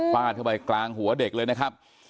เข้าไปกลางหัวเด็กเลยนะครับ